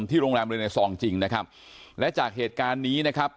โรงแรมเรเนซองจริงนะครับและจากเหตุการณ์นี้นะครับ